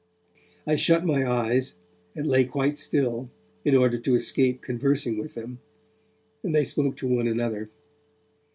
I shut my eyes, and lay quite still, in order to escape conversing with them, and they spoke to one another.